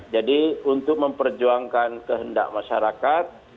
jadi untuk memperjuangkan kehendak masyarakat